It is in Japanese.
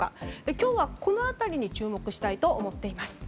今日は、この辺りに注目したいと思っています。